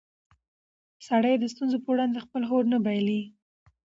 سړی د ستونزو په وړاندې خپل هوډ نه بایلي